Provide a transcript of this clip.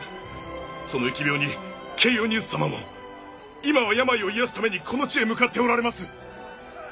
その疫病にケイオニウス様も今は病を癒やすためにこの地へ向かっておられます